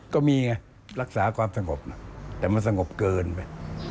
ก็มีไงรักษาความสงบนะแต่มันสงบเกินไป